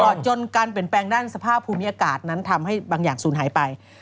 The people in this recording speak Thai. จนการเปลี่ยนแปลงด้านสภาพภูมิอากาศนั้นทำให้บางอย่างศูนย์หายไป